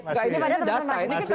ini pada teman teman mahasiswa